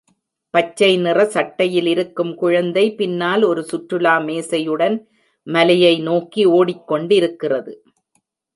பச்சை நிற சட்டையில் இருக்கும் குழந்தை பின்னால் ஒரு சுற்றுலா மேசையுடன் மலையை நோக்கி ஓடிக்கொண்டிருக்கிறது